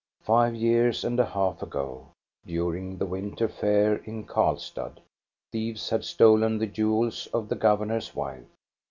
Five years and a half ago, during the winter fair in Karlstad, thieves had stolen the jewels of the gov ernor's wife.